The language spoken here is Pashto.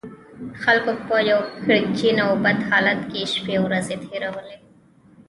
خلکو په یو کړکېچن او بد حالت کې شپې او ورځې تېرولې.